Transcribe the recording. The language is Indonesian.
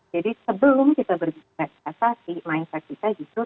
jadi sebelum kita berbicara tentang mindset kita gitu